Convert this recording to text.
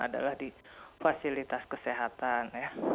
adalah di fasilitas kesehatan